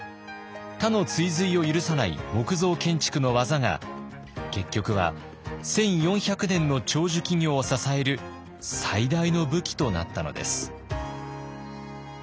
他の追随を許さない木造建築の技が結局は１，４００年の長寿企業を支える最大の武器となったのです。